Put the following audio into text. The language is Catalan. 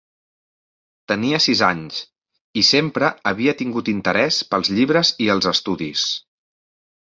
Tenia sis anys, i sempre havia tingut interès pels llibres i els estudis.